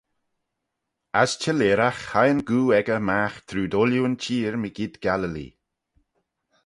As çhelleeragh hie yn goo echey magh trooid ooilley'n çheer mygeayrt Galilee.